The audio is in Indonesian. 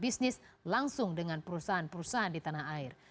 google juga tidak pernah berpengalaman dengan perusahaan perusahaan di tanah air